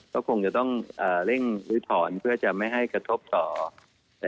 ก็คงจะต้องเร่งลื้อถอนเพื่อจะไม่ให้กระทบต่อ